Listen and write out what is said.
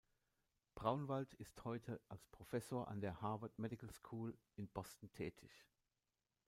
Braunwald ist heute als Professor an der Harvard Medical School in Boston tätig.